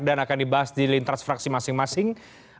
dan akan dibahas di lintas fraksi masing masing